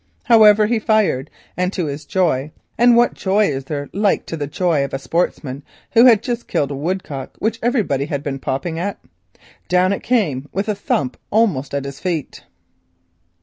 However, he fired, and to his joy (and what joy is there like to the joy of a sportsman who has just killed a woodcock which everybody has been popping at?) down it came with a thump almost at his feet.